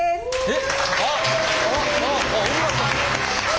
えっ！